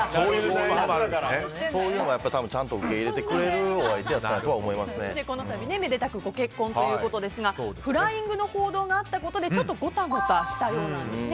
そういうのをちゃんと受け入れてくれるめでたくご結婚ということですがフライングの報道があったことでちょっとごたごたしたようです。